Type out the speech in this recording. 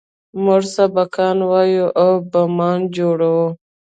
موږ سبقان وايو او بمان جوړوو.